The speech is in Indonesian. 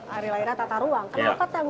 hari lahirnya tata ruang